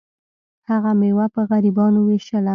هغه میوه په غریبانو ویشله.